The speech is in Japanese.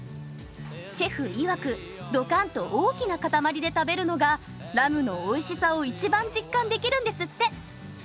シェフいわくドカン！と大きな塊で食べるのがラムのおいしさを一番実感できるんですって。